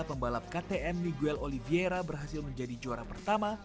pembalap ktm miguel oliviera berhasil menjadi juara pertama